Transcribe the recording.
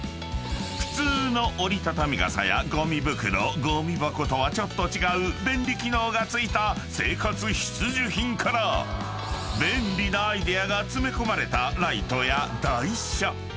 ［普通の折りたたみ傘やごみ袋ごみ箱とはちょっと違う便利機能が付いた生活必需品から便利なアイデアが詰め込まれたライトや台車］